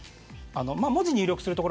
文字を入力する所